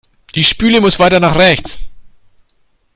Die Spüle muss weiter nach rechts.